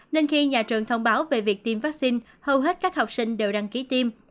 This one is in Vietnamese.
nên khi nhà trường thông báo về việc tiêm vaccine hầu hết các học sinh đều đăng ký tiêm